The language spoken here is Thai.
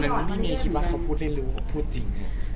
เมย์ชื่อไทย